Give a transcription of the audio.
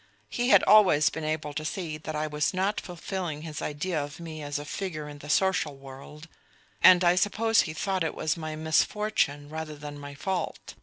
He had always been able to see that I was not fulfilling his idea of me as a figure in the social world, and I suppose he thought it was my misfortune rather than my fault.